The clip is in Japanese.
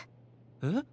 えっ？